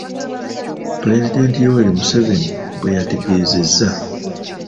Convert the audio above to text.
Pulezidenti Yoweri Museveni bwe yategeezezza.